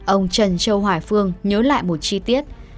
ông trần châu hoài phương nhớ lại một chi tiết